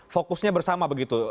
fokusnya bersama begitu